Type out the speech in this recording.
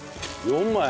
４枚？